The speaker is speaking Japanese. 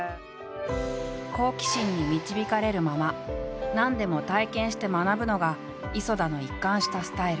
好奇心に導かれるまま何でも体験して学ぶのが磯田の一貫したスタイル。